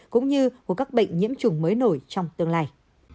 cũng như của các bệnh nhiễm trùng mới nổi trong tương lai